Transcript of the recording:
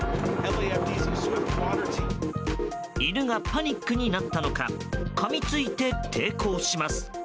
犬がパニックになったのかかみついて抵抗します。